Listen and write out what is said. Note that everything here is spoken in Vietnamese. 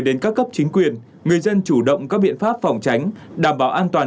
đến các cấp chính quyền người dân chủ động các biện pháp phòng tránh đảm bảo an toàn